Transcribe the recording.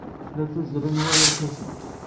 La ttazzalen war irkasen.